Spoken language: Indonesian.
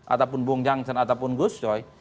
ataupun bung jansen ataupun gus coy